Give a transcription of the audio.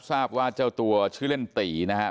ทราบว่าเจ้าตัวชื่อเล่นตีนะครับ